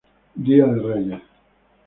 Día de Reyes.